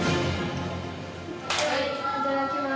いただきます。